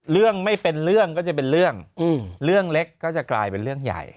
เรื่องไม่เป็นเรื่องก็จะเป็นเรื่องเรื่องเล็กก็จะกลายเป็นเรื่องใหญ่